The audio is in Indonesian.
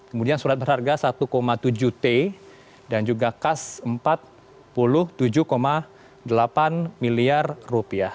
kemudian surat berharga rp satu tujuh t dan juga kas rp empat puluh tujuh delapan miliar rupiah